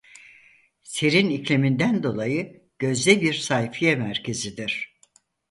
Serin ikliminden dolayı gözde bir sayfiye merkezidir.